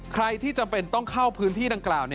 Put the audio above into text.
ใครที่จำเป็นต้องเข้าพื้นที่ดังกล่าว